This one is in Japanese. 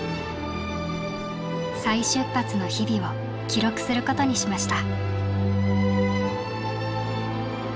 再出発の日々を記録することにしました。